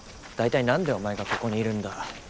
大体何でお前がここにいるんだ。